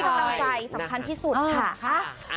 ต้องให้กำลังใจสำคัญที่สุดค่ะ